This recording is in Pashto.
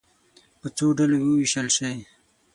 په څو ډلو وویشل شئ.